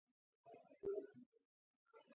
თვითონ ქალაქი ყურის სანაპიროზეა განლაგებული.